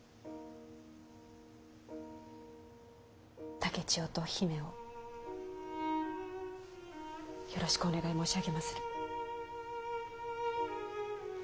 竹千代と姫をよろしくお願い申し上げまする。